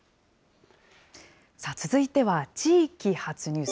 続いては、地域発ニュース。